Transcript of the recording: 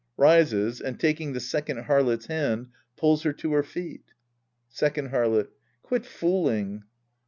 {Rises and, taking t/ie Second Harlot's hand, pulls her to her feet.) Second Harlot. Quit fooling.